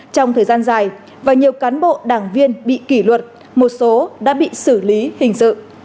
trong thời gian dài và nhiều cán bộ đảng viên bị kỷ luật một số đã bị xử lý hình sự